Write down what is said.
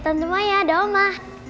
tante maya ada oma